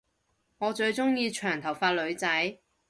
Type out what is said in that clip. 我最鐘意長頭髮女仔